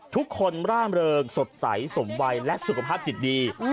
ร่ามเริงสดใสสมวัยและสุขภาพจิตดี